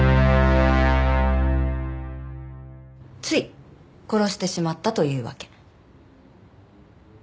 つい殺してしまったというわけ。